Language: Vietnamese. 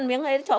miếng ấy cho con